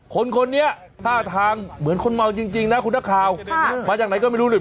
คนนี้ท่าทางเหมือนคนเมาจริงนะคุณนักข่าวมาจากไหนก็ไม่รู้เลย